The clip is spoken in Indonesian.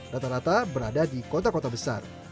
rata rata berada di kota kota besar